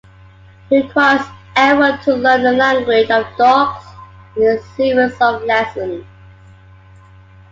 He requires everyone to learn the language of dogs in a series of lessons.